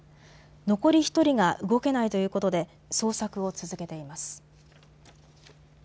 残り１人が動けないということで捜索を続けています。